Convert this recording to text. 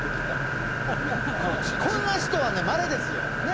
こんな人はまれですよ。ね？